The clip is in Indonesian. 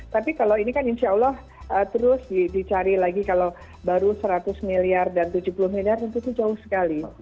tapi kalau ini kan insya allah terus dicari lagi kalau baru seratus miliar dan tujuh puluh miliar tentu itu jauh sekali